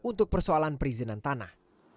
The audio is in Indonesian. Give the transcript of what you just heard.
untuk persoalan perizinan tanah